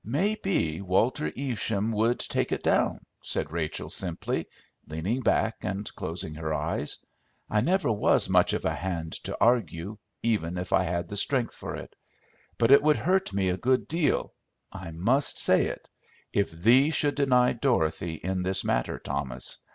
"May be Walter Evesham would take it down," said Rachel simply, leaning back and closing her eyes. "I never was much of a hand to argue, even if I had the strength for it; but it would hurt me a good deal I must say it if thee should deny Dorothy in this matter, Thomas.